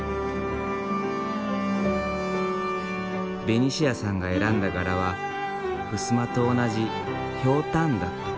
ベニシアさんが選んだ柄はふすまと同じひょうたんだった。